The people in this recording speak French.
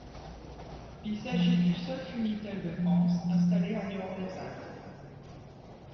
Il s'agit du seul funitel de France installé en dehors des Alpes.